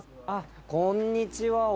あっこんにちは